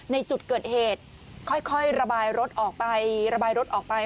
ในจุดเกิดเหตุค่อยระบายรถออกไประบายรถออกไป